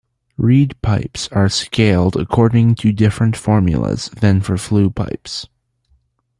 Reed pipes are scaled according to different formulas than for flue pipes.